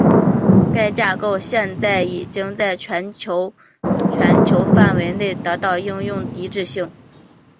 该架构现在已经在全球全球范围内得到应用一致性。